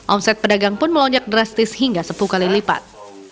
omset pedagang pun melonjak drastis hingga sepuluh kali lipat